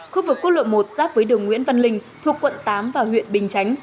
khu vực quốc lộ một giáp với đường nguyễn văn linh thuộc quận tám và huyện bình chánh